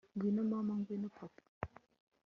ngwino mama, ngwino papa